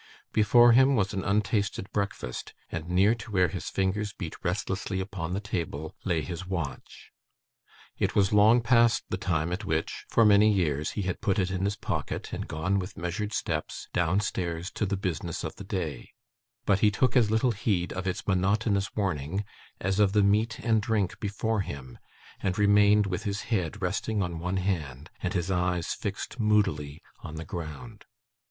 Before him was an untasted breakfast, and near to where his fingers beat restlessly upon the table, lay his watch. It was long past the time at which, for many years, he had put it in his pocket and gone with measured steps downstairs to the business of the day, but he took as little heed of its monotonous warning, as of the meat and drink before him, and remained with his head resting on one hand, and his eyes fixed moodily on the ground.